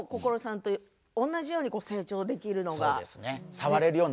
見ている方も心さんと同じように成長できるのが。